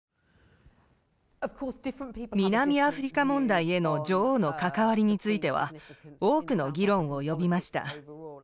南アフリカ問題への女王の関わりについては多くの議論を呼びました。